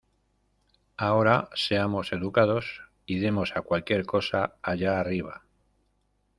Ahora, seamos educados y demos a cualquier cosa allá arriba...